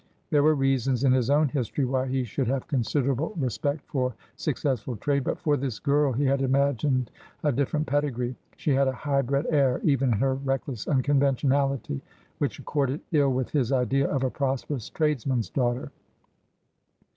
There were reasons in his own history why he should have considerable respect for successful trade. But for this girl he had imagined a different pedigree. She had a high bred air — even in her reckless unconventionality — which accorded ill with his idea of a prosperous tradesman's daughter.